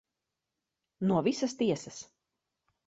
No visas tiesas.